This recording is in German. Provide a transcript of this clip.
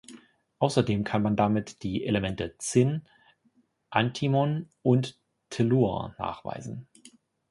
Außerdem kann man damit die Elemente Zinn, Antimon und Tellur nachweisen.